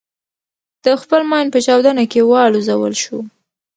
د خپل ماین په چاودنه کې والوزول شو.